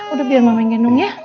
udah biar mamanya genung ya